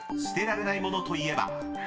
［捨てられないものといえば？